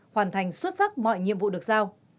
hoàn thành xuất sắc mọi nhiệm vụ được giao